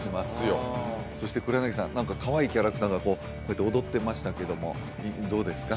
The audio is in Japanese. うんそして黒柳さん何かかわいいキャラクターがこうやって踊ってましたけどもどうですか？